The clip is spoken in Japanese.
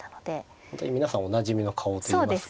本当に皆さんおなじみの顔といいますか。